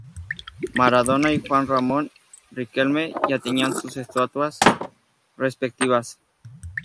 Maradona y Juan Román Riquelme ya tenían sus estatuas respectivas.